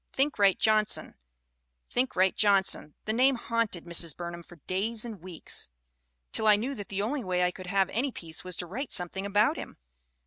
Thinkright Johnson Think right Johnson; the name haunted Mrs. Burnham for days and weeks, "till I knew that the only way I could have any peace was to write something about him."